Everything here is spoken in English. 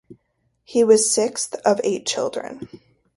He was the sixth of eight children.